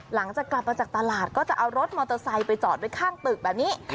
หลังจากกลับมาจากตลาดก็จะเอารถมอเตอร์ไซค์ไปจอดไว้ข้างตึกแบบนี้